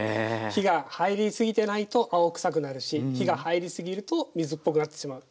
火が入りすぎてないと青臭くなるし火が入りすぎると水っぽくなってしまう。